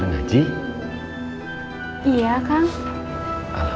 nunggu aja kan